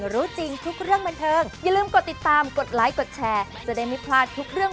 รู้จริงทุกเรียนบรรเทิง